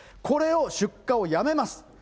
これを出荷をやめます。